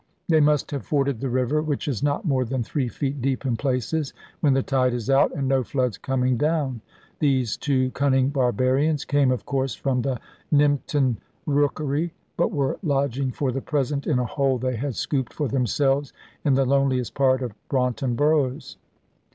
They must have forded the river, which is not more than three feet deep in places, when the tide is out, and no floods coming down. These two cunning barbarians came of course from the Nympton rookery, but were lodging for the present in a hole they had scooped for themselves in the loneliest part of Braunton Burrows.